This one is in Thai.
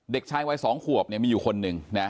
เด็กชายวัย๒ขวบมีอยู่คนหนึ่งนะ